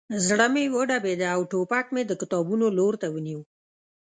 زړه مې وډبېده او ټوپک مې د کتابونو لور ته ونیو